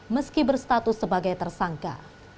meski berstatus sebagai tersangka